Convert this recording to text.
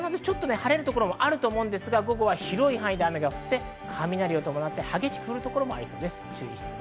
晴れる所もあると思いますが午後は広い範囲で雨が降って雷を伴って激しく降る所もありそうです。